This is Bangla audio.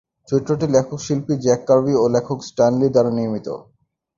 চরিত্রটি লেখক/শিল্পী জ্যাক কার্বি ও লেখক স্ট্যান লি দ্বারা নির্মিত।